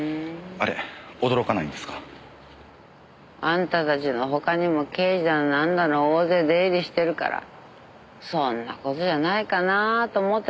あんたたちの他にも刑事だのなんだのが大勢出入りしてるからそんな事じゃないかなと思ってたわけ。